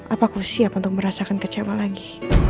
apaku siap untuk merasakan kecewa lagi